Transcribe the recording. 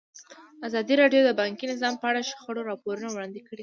ازادي راډیو د بانکي نظام په اړه د شخړو راپورونه وړاندې کړي.